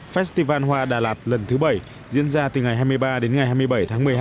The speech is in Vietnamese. festival hoa đà lạt lần thứ bảy diễn ra từ ngày hai mươi ba đến ngày hai mươi bảy tháng một mươi hai